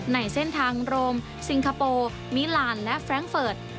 ในเส้นทางโรมซิงคโปร์มิลานและแฟรงคเฟิร์ต